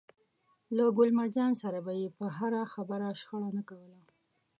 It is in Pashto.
له ګل مرجان سره به يې پر هره خبره شخړه نه کوله.